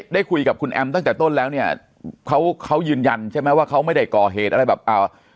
ได้คุยกับคุณแอมตั้งแต่ต้นแล้วเนี่ยเขาเขายืนยันใช่ไหมว่าเขาไม่ได้ก่อเหตุอะไรแบบอ่า